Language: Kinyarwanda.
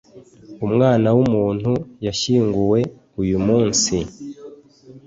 umwana w'umuntu yashyinguwe uyumunsi—